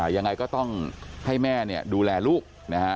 ยังไงก็ต้องให้แม่เนี่ยดูแลลูกนะฮะ